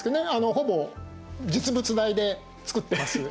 ほぼ実物大で作ってます。